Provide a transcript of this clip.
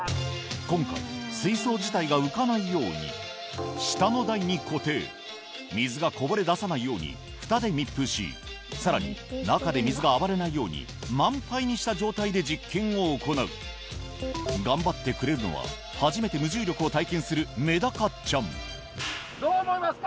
今回水槽自体が浮かないように下の台に固定水がこぼれ出さないようにフタで密封しさらに中で水が暴れないように満杯にした状態で実験を行う頑張ってくれるのは初めて無重力を体験するメダカちゃんどう思いますか？